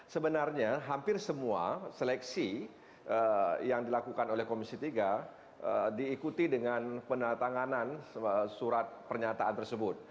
sebenarnya hampir semua seleksi yang dilakukan oleh komisi tiga diikuti dengan penatanganan surat pernyataan tersebut